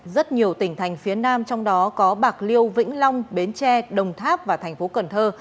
rất nhiều tỉnh thành phía nam trong đó có bạc liêu vĩnh long bến tre đồng tháp và thành phố cần thơ